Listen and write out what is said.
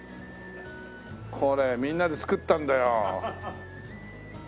これみんなで作ったんだよ。